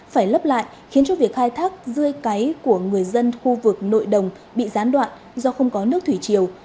phải lấp lại khiến cho việc khai thác dươi cái của người dân khu vực nội đồng bị gián đoạn do không có nước thủy triều